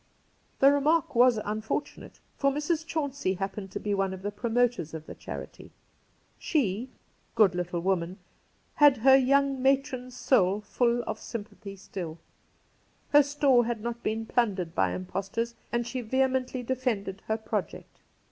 The remark was unfortunate, for Mrs. Chauncey happened to be one of the promoters of the charity. She — good little woman !— had her young matron's soul full of sympathy still ; her store had not been plundered by impostors, and she vehemently defended her project.